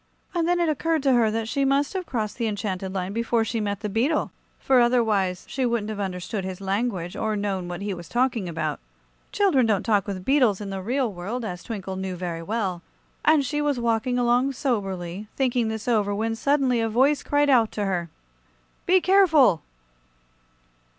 And then it occurred to her that she must have crossed the enchanted line before she met the beetle, for otherwise she wouldn't have understood his language, or known what he was talking about. Children don't talk with beetles in the real world, as Twinkle knew very well, and she was walking along soberly, thinking this over, when suddenly a voice cried out to her: "Be careful!"